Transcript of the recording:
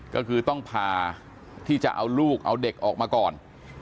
ก็คือต้องผ่าที่จะเอาลูกเอาเด็กออกมาก่อน